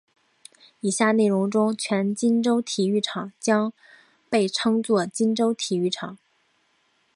以下内容中新金州体育场将被称作金州体育场。